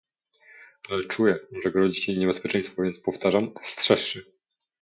"Ale czuję, że grozi ci niebezpieczeństwo, więc powtarzam: strzeż się!"